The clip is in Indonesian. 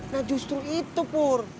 nah justru itu pur